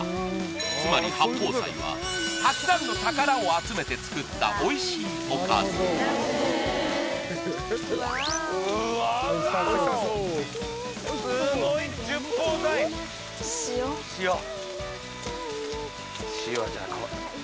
つまり八宝菜はたくさんの宝を集めて作ったおいしいおかずうわあワオッ塩